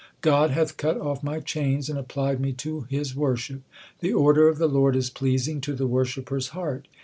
God hath cut off my chains and applied me to His worship. The order of the Lord is pleasing to the worshipper s heart.